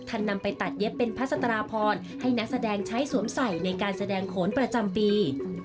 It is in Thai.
นำไปตัดเย็บเป็นพัสตราพรให้นักแสดงใช้สวมใส่ในการแสดงโขนประจำปี